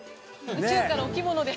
宇宙からお着物で。